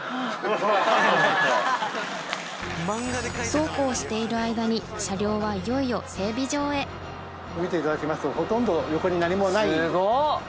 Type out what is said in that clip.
そうこうしている間に車両はいよいよ見ていただきますとほとんど横に何もない。